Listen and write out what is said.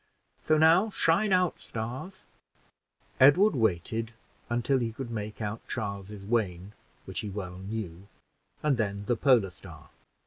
So now shine out, stars!" Edward waited until he could make out Charles's Wain, which he well knew, and then the Polar Star.